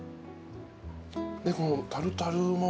でこのタルタルも。